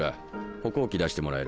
歩行器出してもらえるか？